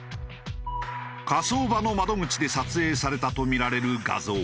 火葬場の窓口で撮影されたとみられる画像。